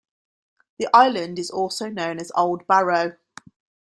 The island is also known as 'Old Barrow'.